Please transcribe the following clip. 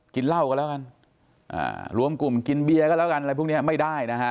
กินเหล้ากันแล้วกันรวมกลุ่มกินเบียร์ก็แล้วกันอะไรพวกนี้ไม่ได้นะฮะ